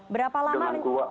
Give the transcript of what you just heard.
dengan keluarga mbak